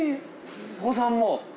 お子さんも。